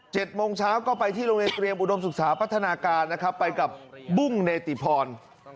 โมงเช้าก็ไปที่โรงเรียนเตรียมอุดมศึกษาพัฒนาการนะครับไปกับบุ้งเนติพร